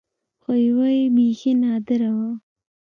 خو يوه يې بيخي نادره وه.